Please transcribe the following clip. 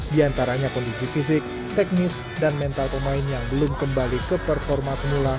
di antaranya kondisi fisik teknis dan mental pemain yang belum kembali ke performa semula